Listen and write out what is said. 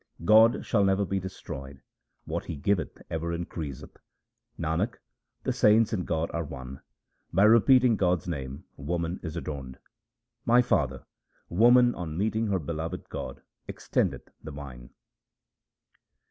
God shall never be destroyed ; what He giveth ever increaseth. Nanak, the saints and God are one ; by repeating God's name woman is adorned. My father, woman on meeting her beloved God extendeth the vine.